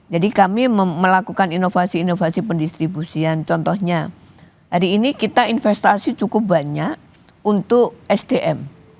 jadi kami melakukan inovasi inovasi pendistribusian contohnya hari ini kita investasi cukup banyak untuk sdm